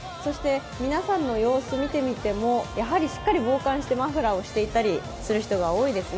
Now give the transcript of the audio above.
皆さんの様子を見てみてもしっかり防寒してマフラーをしていたりする人が多いですね。